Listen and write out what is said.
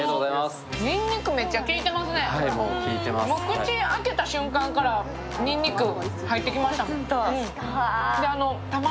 口開けた瞬間からにんにく、入ってきましたもん。